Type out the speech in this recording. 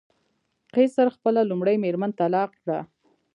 قیصر خپله لومړۍ مېرمن طلاق کړه.